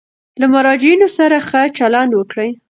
له مراجعینو سره ښه چلند وکړئ.